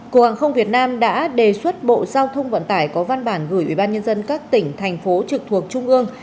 cục hàng không việt nam đã đề xuất bộ giao thông vận tải có văn bản gửi ủy ban nhân dân các tỉnh thành phố trực thuộc trung ương